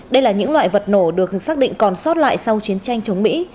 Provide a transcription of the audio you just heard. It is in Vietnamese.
đây là những loại vật nổ được xác định còn sót lại sau chiến tranh chống mỹ